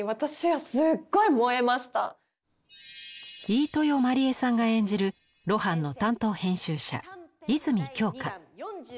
飯豊まりえさんが演じる露伴の担当編集者泉京香。